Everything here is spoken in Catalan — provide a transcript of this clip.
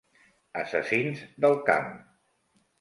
Assassins del camp.